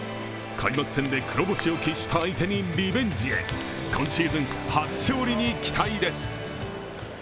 開幕戦で黒星を喫した相手にリベンジへ今シーズン初勝利に期待です。